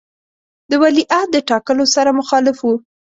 د ولیعهد د ټاکلو سره مخالف وو.